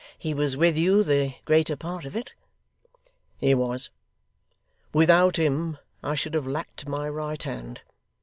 He was with you the greater part of it?' 'He was. Without him, I should have lacked my right hand.